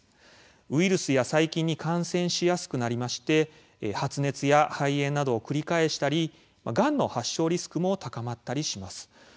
ウイルスや細菌に感染しやすくなりまして発熱や肺炎などを繰り返したりがんの発症リスクも高まったりします。